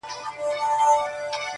د مکار دښمن په کور کي به غوغا سي!